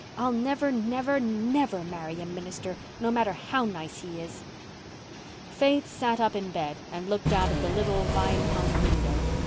I'll never, never, never marry a minister, no matter how nice he is." Faith sat up in bed and looked out of the little vine hung window.